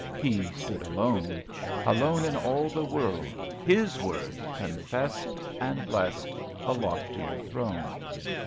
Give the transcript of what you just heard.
He stood alone. Alone in all the world, his word Confessed — and blessed — a loftier throne.